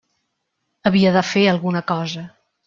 Havia de fer alguna cosa.